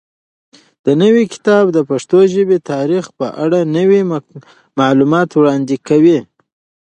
دا نوی کتاب د پښتو ژبې د تاریخ په اړه نوي معلومات وړاندې کوي.